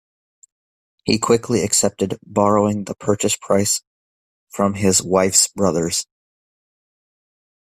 He quickly accepted, borrowing the purchase price from his wife's brothers.